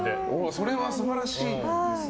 それは素晴らしいですね。